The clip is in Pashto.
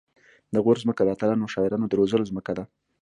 د غور ځمکه د اتلانو او شاعرانو د روزلو ځمکه ده